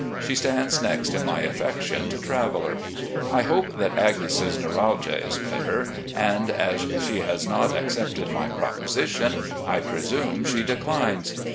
She stands next in my affections to Traveller. ... I hope that Agnes's neuralgia is better, and as she has not ac cepted my proposition I presume she declines.